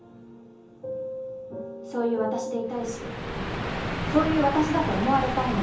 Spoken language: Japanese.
そういう私でいたいしそういう私だと思われたいの。